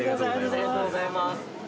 ありがとうございます。